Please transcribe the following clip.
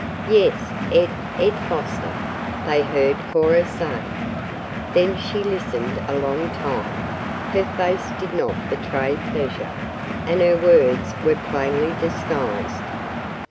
"Yes, Ed Ed Foster," they heard Cora say. Then she listened a long time. Her face did not betray pleasure, and her words were plainly disguised.